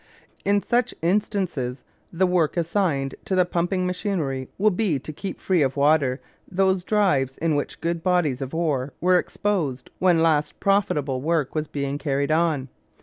In such instances the work assigned to the pumping machinery will be to keep free of water those drives in which good bodies of ore were exposed when last profitable work was being carried on.